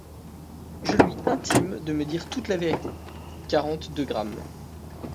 Je lui intime de me dire toute la vérité : quarante-deux grammes.